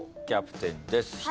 キャプテンです。